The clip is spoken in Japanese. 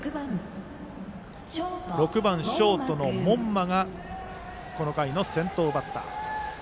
６番ショートの門間がこの回の先頭バッター。